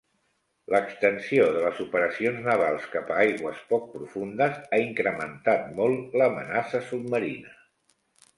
L'extensió de les operacions navals cap a aigües poc profundes ha incrementat molt l'amenaça submarina.